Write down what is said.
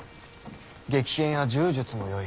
撃剣や柔術もよい。